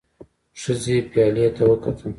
ښځې پيالې ته وکتل.